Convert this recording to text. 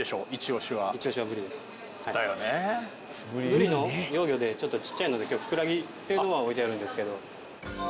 ブリの幼魚でちょっとちっちゃいのでフクラギっていうのは置いてあるんですけど。